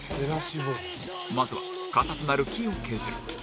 まずは型となる木を削る